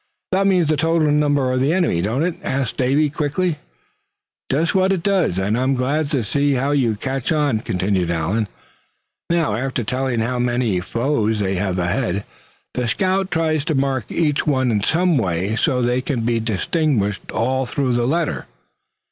"That means the total number of the enemy, don't it?" asked Davy, quickly. "Just what it does, and I'm glad to see how you catch on," continued Allan. "Now, after telling how many foes they have ahead, the scout tries to mark each one in some way so they can be distinguished all through the letter.